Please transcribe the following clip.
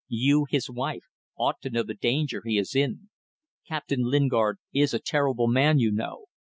"You, his wife, ought to know the danger he is in. Captain Lingard is a terrible man, you know."